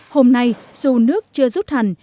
hôm nay dù nước chưa rút hẳn